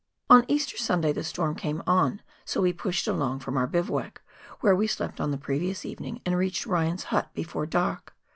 On Easter Sunday the storm came on, so we pushed along from our bivouac, where we slept on the previous evening, and reached Ryan's hut before dark.